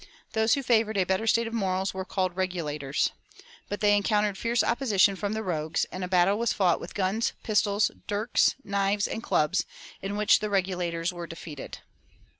Those who favored a better state of morals were called 'Regulators.' But they encountered fierce opposition from the 'Rogues,' and a battle was fought with guns, pistols, dirks, knives, and clubs, in which the 'Regulators' were defeated."